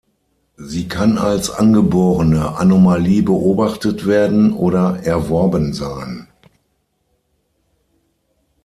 Sie kann als angeborene Anomalie beobachtet werden oder erworben sein.